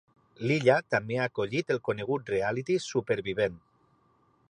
L'illa també ha acollit el conegut reality "Supervivent".